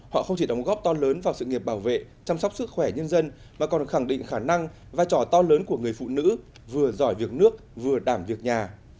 họ không chỉ đóng góp to lớn vào sự nghiệp bảo vệ chăm sóc sức khỏe nhân dân mà còn khẳng định khả năng vai trò to lớn của người phụ nữ vừa giỏi việc nước vừa đảm việc nhà